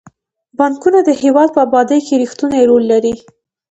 بانکونه د هیواد په ابادۍ کې رښتینی رول لري.